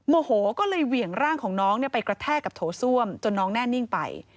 โมโหก็เลยเหวี่ยงร่างของน้องไปกระแทกกับโถส้วมจนน้องแน่นิ่งไป